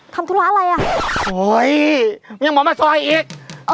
ทำธุลาห์อะไรอ่ะโหยเห็นหมองจะส่อยอีกเออ